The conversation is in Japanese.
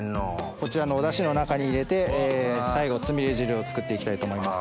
こちらのおダシの中に入れて最後つみれ汁を作って行きたいと思います。